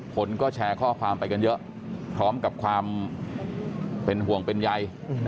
คนก็แชร์ข้อความไปกันเยอะพร้อมกับความเป็นห่วงเป็นใย